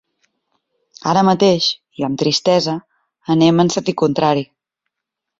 Ara mateix, i amb tristesa, anem en sentit contrari.